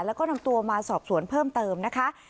แล้วก็นำตัวมาสอบสวนเพิ่มเติมนะคะ